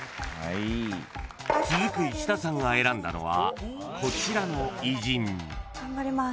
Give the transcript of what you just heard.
［続く石田さんが選んだのはこちらの偉人］